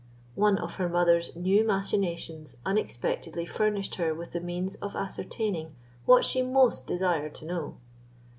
One of her mother's new machinations unexpectedly furnished her with the means of ascertaining what she most desired to know.